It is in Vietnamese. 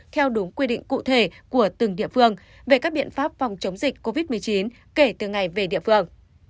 theo đúng quy định cụ thể của từng địa phương về các biện pháp phòng chống dịch covid một mươi chín kể từ ngày về địa phương